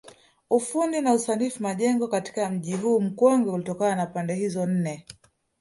Ufundi na usanifu majengo katika mji huu mkongwe ulitokana na pande hizo nne